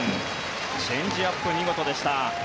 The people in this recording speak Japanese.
チェンジアップ、見事でした。